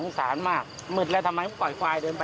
น่าจะเป็นหนึ่งไม่๖ไม่๘ก็๘๙นี่แหละ